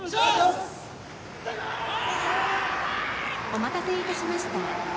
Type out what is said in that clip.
お待たせいたしました。